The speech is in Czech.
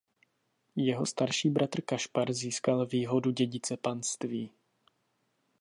Jeho starší bratr Kašpar získal výhodu dědice panství.